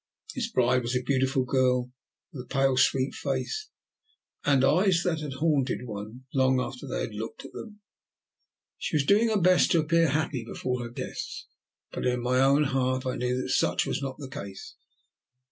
His bride was a beautiful girl, with a pale, sweet face, and eyes that haunted one long after they had looked at them. She was doing her best to appear happy before her guests, but in my own heart I knew that such was not the case.